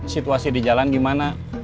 situasi di jalan gimana